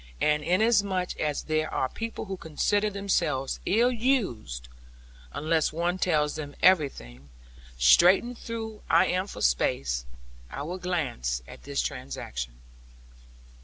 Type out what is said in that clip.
And inasmuch as there are people who consider themselves ill used, unless one tells them everything, straitened though I am for space, I will glance at this transaction.